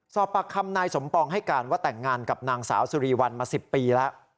สอบปากคำนายสมปองให้การว่าแต่งงานกับนางสาวสุรีวันมา๑๐ปีแล้ว